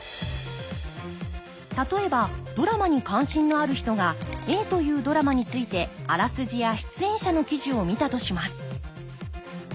例えばドラマに関心のある人がＡというドラマについてあらすじや出演者の記事を見たとします。